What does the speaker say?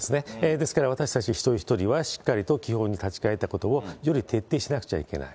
ですから私たち一人一人は、しっかりと基本に立ち返ったことを、より徹底しなくちゃいけない。